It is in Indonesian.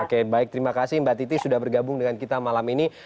oke baik terima kasih mbak titi sudah bergabung dengan kita malam ini